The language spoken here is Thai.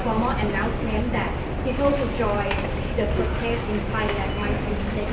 ก็มีช่วงเกี่ยวกับข้อมูลหลักที่พูดมาแล้ว